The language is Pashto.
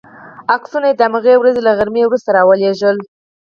عکسونه یې د هماغې ورځې له غرمې وروسته را ولېږل.